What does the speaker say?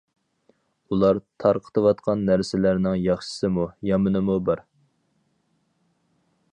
ئۇلار تارقىتىۋاتقان نەرسىلەرنىڭ ياخشىسىمۇ، يامىنىمۇ بار.